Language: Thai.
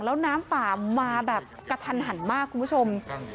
แล้วน้ำป่ามาแบบกระทันหันมากคุณผู้ชม